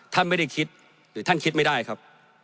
ท่านไม่ได้คิดหรือท่านคิดไม่ได้ครับ